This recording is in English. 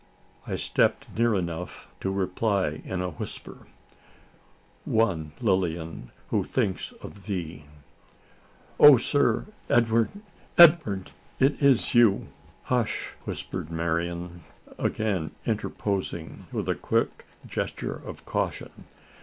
I stepped near enough to reply in a whisper: "One, Lilian, who thinks of thee!" "O sir! Edward! Edward! it is you!" "Hush!" whispered Marian, again interposing with a quick gesture of caution.